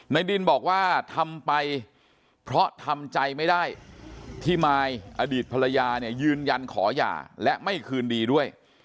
ในดินบอกว่าทำไปเพราะทำใจไม่ได้ที่มายอดีตภรรยาเนี่ยยืนยันขอหย่าและไม่คืนดีด้วย